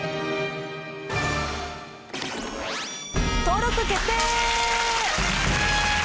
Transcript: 登録決定！